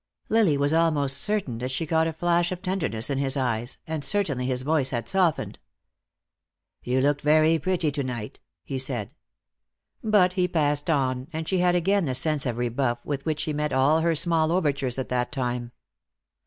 Lily was almost certain that she caught a flash of tenderness in his eyes, and certainly his voice had softened. "You looked very pretty to night," he said. But he passed on, and she had again the sense of rebuff with which he met all her small overtures at that time.